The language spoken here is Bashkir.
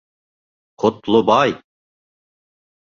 Ҡотлобай!..